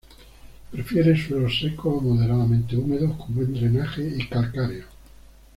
Prefiere suelos secos o moderadamente húmedos, con buen drenaje y calcáreos.